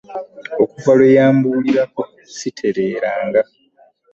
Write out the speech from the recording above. Okuva lwe yambuulirako ssitereeranga.